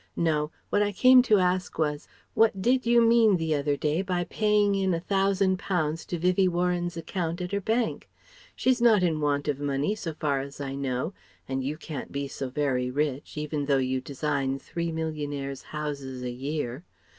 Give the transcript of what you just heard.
No: what I came to ask was: what did you mean the other day by paying in a Thousand Pounds to Vivie Warren's account at her bank? She's not in want of money so far as I know, and you can't be so very rich, even though you design three millionaire's houses a year.